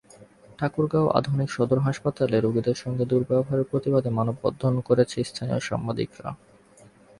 ঠাকুরগাঁও আধুনিক সদর হাসপাতালে রোগীদের সঙ্গে দুর্ব্যবহারের প্রতিবাদে মানববন্ধন করেছেন স্থানীয় সাংবাদিকেরা।